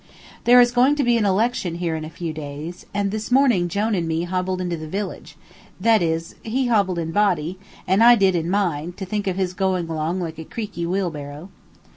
There is going to be an election here in a few days, and this morning Jone and me hobbled into the village that is, he hobbled in body, and I did in mind to think of his going along like a creaky wheelbarrow.